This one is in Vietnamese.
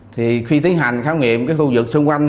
thì khi tiến hành khám nghiệm cái khu vực xung quanh